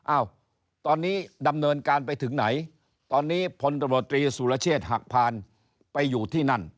อ้าวตอนนี้ดำเนินการไปถึงไหนตอนนี้พลตำรวจตรีสุรเชษฐ์หักพานไปอยู่ที่นั่น